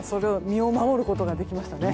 身を守ることができました。